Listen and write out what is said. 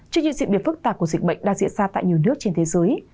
trước những diễn biến phức tạp của dịch bệnh đang diễn ra tại nhiều nước trên thế giới